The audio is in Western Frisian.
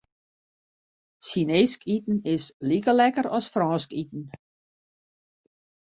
Sjineesk iten is like lekker as Frânsk iten.